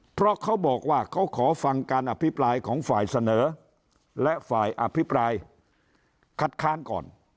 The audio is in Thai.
เพราะเขาบอกว่าเขาขอฟังการอภิปรายของฝ่ายเสนอและฝ่ายอภิปรายคัดค้านก่อน